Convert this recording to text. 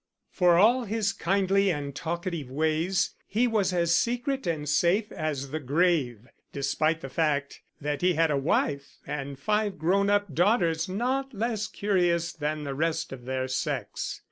For all his kindly and talkative ways, he was as secret and safe as the grave, despite the fact that he had a wife and five grown up daughters not less curious than the rest of their sex.